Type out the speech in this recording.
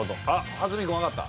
蓮見君わかった？